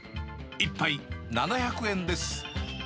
１杯７００円です。